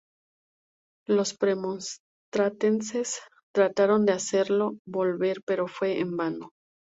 Los premonstratenses trataron de hacerlo volver, pero fue en vano.